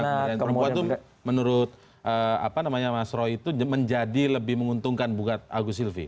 dan perempuan itu menurut mas roy itu menjadi lebih menguntungkan buat agus silvi